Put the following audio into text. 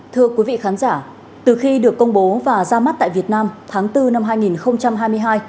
thưa quý vị khán giả từ khi được công bố và ra mắt tại việt nam tháng bốn năm hai nghìn hai mươi hai